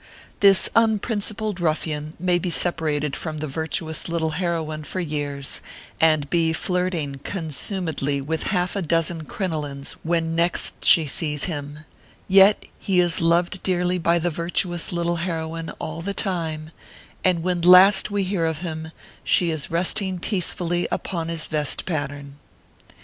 This unprincipled ruffian may be separated from the virtuous little heroine for years, and be flirting con sumedly with half a dozen crinolines when next she sees him ; yet is he loved dearly by the virtuous little heroine all the time, and when last we hear of him, she is resting peacefully upon his vest pattern.